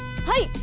はい！